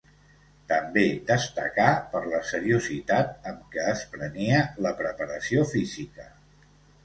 També destacà per la seriositat amb què es prenia la preparació física.